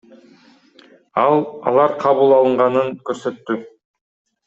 Ал алар кабыл алынганын көрсөттү.